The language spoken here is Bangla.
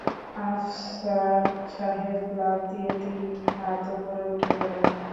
আফসার সাহেব লাফ দিয়ে তিন হাত ওপরে উঠে গেলেন।